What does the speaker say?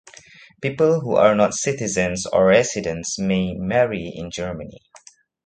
People who are not citizens or residents may marry in Germany.